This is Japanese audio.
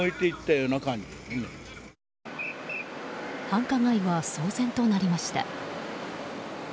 繁華街は騒然となりました。